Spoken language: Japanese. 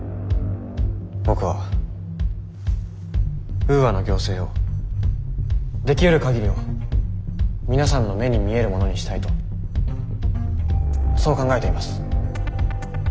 僕はウーアの行政をできうる限りを皆さんの目に見えるものにしたいとそう考えています。